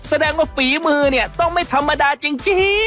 แสดงว่าฝีมือเนี่ยต้องไม่ธรรมดาจริง